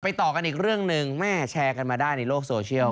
ต่อกันอีกเรื่องหนึ่งแม่แชร์กันมาได้ในโลกโซเชียล